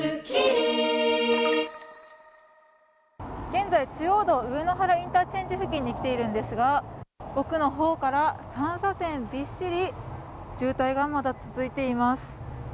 現在、中央道・上野原インターチェンジ付近に来ているんですが、奥のほうから３車線びっしり渋滞がまだ続いています。